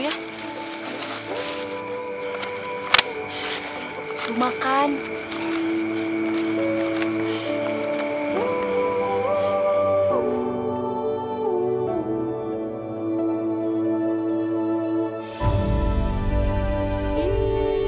pasti bawa makanan buat ibu